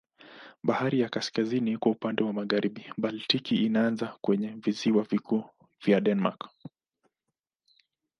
Bahari ya Kaskazini iko upande wa magharibi, Baltiki inaanza kwenye visiwa vikuu vya Denmark.